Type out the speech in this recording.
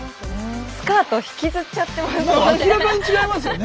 スカート引きずっちゃってますよね。